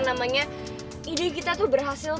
namanya ide kita tuh berhasil